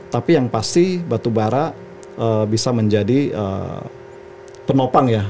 tapi yang pasti batubara bisa menjadi penopang ya